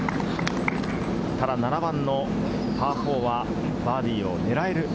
ただ７番のパー４はバーディーを狙える。